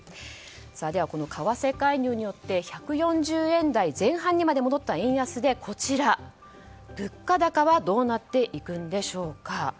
では為替介入によって１４０円台前半にまで戻った円安で、物価高はどうなっていくんでしょうか。